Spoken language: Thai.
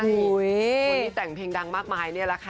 คนที่แต่งเพลงดังมากมายนี่แหละค่ะ